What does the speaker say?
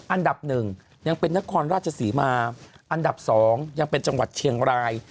อันดับหนึ่งยังเป็นนครราชศรีมาอันดับ๒ยังเป็นจังหวัดเชียงราย